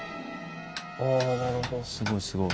すごいすごい。